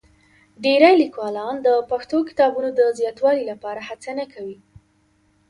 ډېری لیکوالان د پښتو کتابونو د زیاتوالي لپاره هڅه نه کوي.